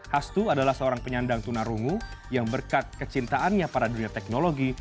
hastu adalah seorang penyandang tunarungu yang berkat kecintaannya pada dunia teknologi